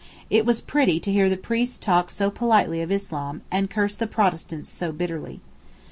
It was pretty to hear the priests talk so politely of Islam, and curse the Protestants so bitterly.